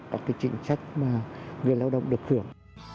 các cái chính trách mà người lao động được khưởng